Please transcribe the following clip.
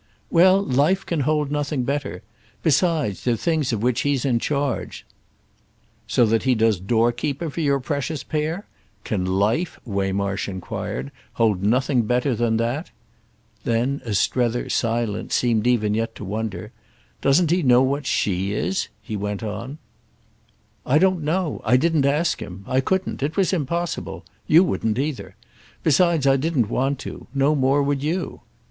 "Well, life can hold nothing better. Besides, they're things of which he's in charge." "So that he does doorkeeper for your precious pair? Can life," Waymarsh enquired, "hold nothing better than that?" Then as Strether, silent, seemed even yet to wonder, "Doesn't he know what she is?" he went on. "I don't know. I didn't ask him. I couldn't. It was impossible. You wouldn't either. Besides I didn't want to. No more would you."